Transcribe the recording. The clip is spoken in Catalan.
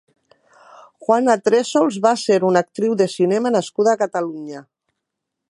Juana Tressols va ser una actriu de cinema nascuda a Catalunya.